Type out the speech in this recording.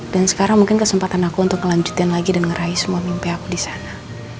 dan sekarang mungkin kesempatan aku untuk kelanjutin lagi dan ngeraih semua mimpi aku disana